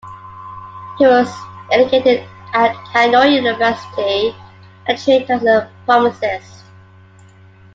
He was educated at Hanoi University and trained as a pharmacist.